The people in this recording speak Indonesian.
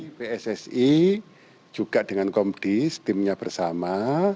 jadi pssi juga dengan komdis timnya bersama